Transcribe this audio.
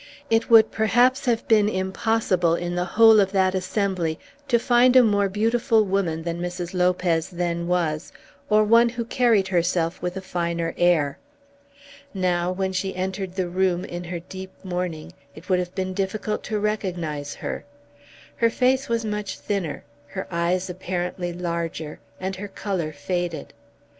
It would perhaps have been impossible in the whole of that assembly to find a more beautiful woman than Mrs. Lopez then was, or one who carried herself with a finer air. Now when she entered the room in her deep mourning it would have been difficult to recognise her. Her face was much thinner, her eyes apparently larger, and her colour faded.